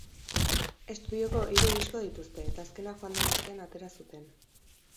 Estudioko hiru disko dituzte, eta azkena joan den astean atera zuten.